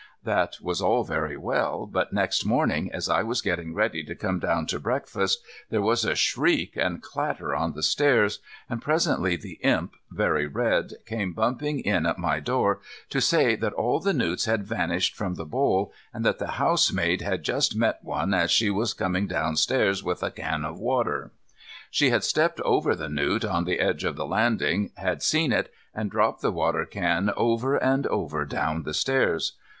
That was all very well, but next morning, as I was getting ready to come down to breakfast, there was a shriek and clatter on the stairs, and presently the Imp, very red, came bumping in at my door to say that all the newts had vanished from the bowl, and that the housemaid had just met one as she was coming downstairs with a can of water. She had stepped over the newt on the edge of the landing, had seen it, and dropped the water can over and over down the stairs.